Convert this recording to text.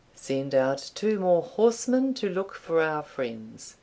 Send out two more horse men to look for our friends.